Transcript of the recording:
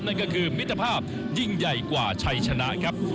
นั่นก็คือมิตรภาพยิ่งใหญ่กว่าชัยชนะครับ